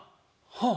はあ。